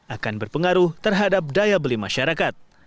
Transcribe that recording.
akan berpengaruh terhadap daya beli masyarakat